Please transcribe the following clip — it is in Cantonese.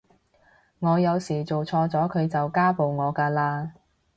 我有時做錯咗佢就家暴我㗎喇